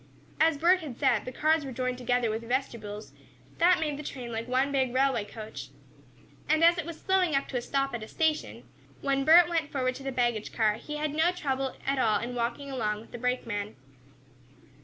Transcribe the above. As Bert had said, the cars were joined together with "vestibules," that made the train like one big railway coach. And as it was slowing up to stop at a station, when Bert went forward to the baggage car, he had no trouble at all in walking along with the brake man.